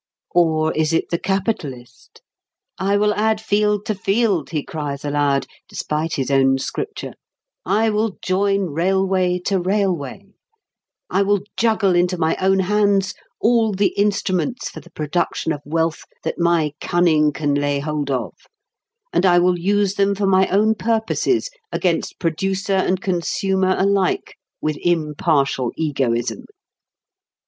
Or is it the capitalist? "I will add field to field," he cries aloud, despite his own Scripture; "I will join railway to railway. I will juggle into my own hands all the instruments for the production of wealth that my cunning can lay hold of; and I will use them for my own purposes against producer and consumer alike with impartial egoism.